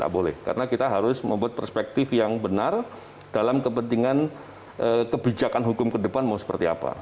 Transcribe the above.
tidak boleh karena kita harus membuat perspektif yang benar dalam kepentingan kebijakan hukum ke depan mau seperti apa